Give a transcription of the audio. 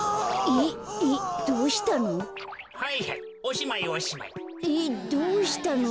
えっどうしたの？